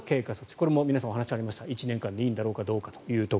これも皆さん、お話がありました１年間でいいんだろうかどうかと。